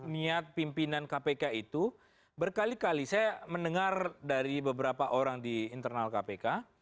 niat pimpinan kpk itu berkali kali saya mendengar dari beberapa orang di internal kpk